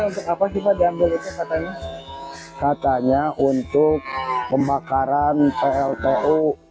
energi hutan tanaman energi hutan tanaman energi hutan tanaman energi hutan tanaman energi escsian bahkan pemburu